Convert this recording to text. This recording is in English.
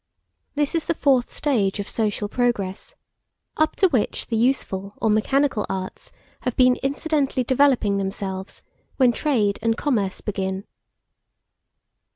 This is the fourth stage of social progress, up to which the useful or mechanical arts have been incidentally developing themselves, when trade and commerce begin.